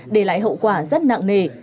để lại hậu quả rất nặng nề